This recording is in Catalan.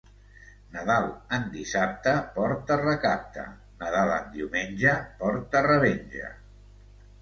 Nadal en dissabte porta recapte; Nadal en diumenge porta revenja.